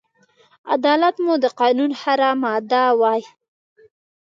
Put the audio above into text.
عدالت مو د قانون هره ماده وای